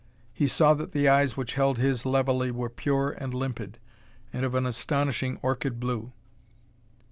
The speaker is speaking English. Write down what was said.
He saw that the eyes which held his levelly were pure and limpid, and of an astonishing orchid blue.